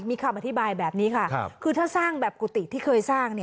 มีคำอธิบายแบบนี้ค่ะคือถ้าสร้างแบบกุฏิที่เคยสร้าง